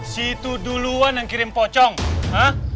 si tuduluan yang kirim pocong hah